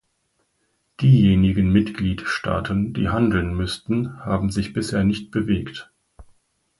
Diejenigen Mitgliedstaaten, die handeln müssten, haben sich bisher nicht bewegt.